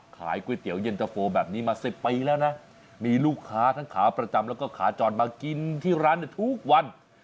ขายก๋วยเตี๋ยวเย็นตะโฟแบบนี้มา๑๐ปีแล้วนะมีลูกค้าทั้งขาประจำแล้วก็ขาจรมากินที่ร้านทุกวัน